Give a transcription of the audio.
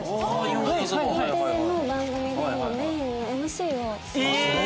Ｅテレの番組で今メインのＭＣを。